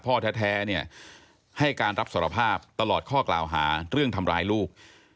เพราะว่าพ่อแท้ให้การรับสารภาพตลอดข้อกล่าวหาเรื่องทำร้ายลูก